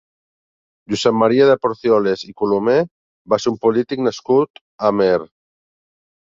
Josep Maria de Porcioles i Colomer va ser un polític nascut a Amer.